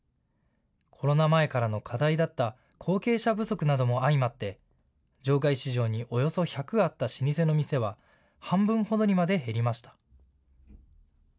コロナ前からの課題だった後継者不足なども相まって場外市場におよそ１００あった老舗の店は半分ほどにまで減りました。